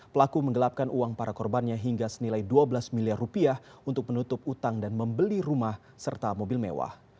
pelaku menggelapkan uang para korbannya hingga senilai dua belas miliar rupiah untuk menutup utang dan membeli rumah serta mobil mewah